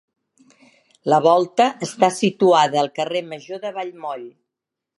La volta està situada al carrer Major de Vallmoll.